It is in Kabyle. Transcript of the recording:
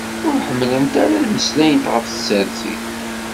Ur ḥemmlent ara ad meslayent ɣef tsertit.